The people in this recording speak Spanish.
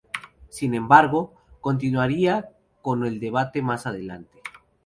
Sin embargo, continuaría con el debate más adelante.